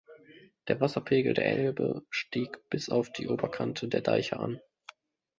Der Wasserpegel der Elbe stieg bis auf die Oberkante der Deiche an.